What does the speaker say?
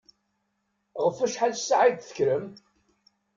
Ɣef wacḥal ssaɛa i d-tekkrem?